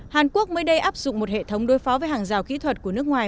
hàn quốc mới đây áp dụng một hệ thống đối phó với hàng rào kỹ thuật của nước ngoài